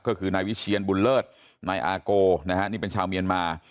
ก็คือนายวิเชียนบุญเลิศนายอาโกนะฮะนี่เป็นชาวเมียนมา